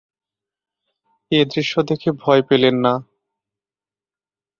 এ দৃশ্য দেখে ভয় পেলেন না।